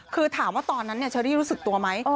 คือถามว่าตอนนั้นเชอรี่รู้สึกตัวไหม